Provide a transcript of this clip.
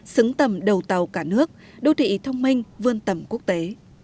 xứng tầm đầu tàu cả nước đô thị thông minh vươn tầm quốc tế